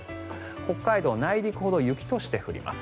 北海道、内陸ほど雪として降ります。